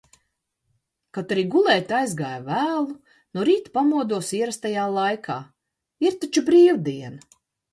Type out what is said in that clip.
Kaut arī gulēt aizgāju vēlu, no rīta pamodos ierastajā laikā. Ir taču bīvdiena!